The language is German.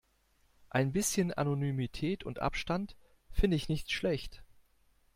Ein bisschen Anonymität und Abstand finde ich nicht schlecht.